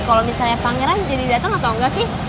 kalau misalnya pangeran jadi datang atau enggak sih